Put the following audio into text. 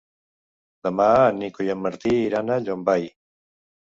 Demà en Nico i en Martí iran a Llombai.